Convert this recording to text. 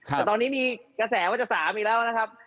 แต่ตอนนี้มีกระแสว่าจะ๓อีกแล้วนะครับ